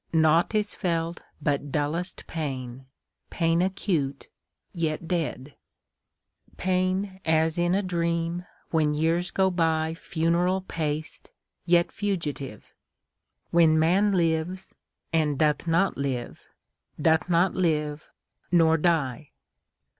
Naught is felt but dullest pain, Pain acute, yet dead; Pain as in a dream, When years go byFuneral paced, yet fugitive, When man lives, and doth not live, Doth not live—nor die.